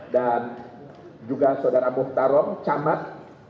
dan juga saudara muhtarong camat